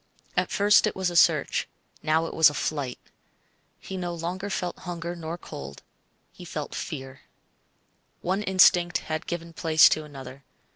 At first it was a search; now it was a flight. He no longer felt hunger nor cold he felt fear. One instinct had given place to another.